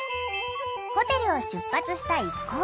ホテルを出発した一行。